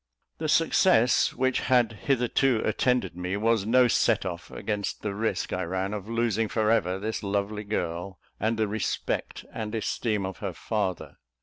The success which had hitherto attended me was no set off against the risk I ran of losing for ever this lovely girl, and the respect and esteem of her father.